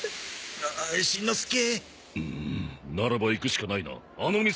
うんならば行くしかないな